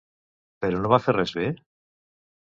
Però no va fer res bé?